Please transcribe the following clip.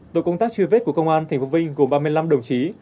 tổ công tác truy vết của công an tp vinh gồm ba mươi năm đồng chí